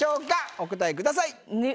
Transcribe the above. お答えください！